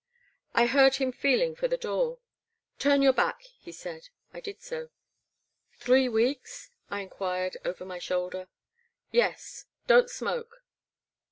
I heard him feeling for the door. Turn your back," he said. I did so. Three weeks ?" I enquired over my shoulder. "Yes— don't smoke."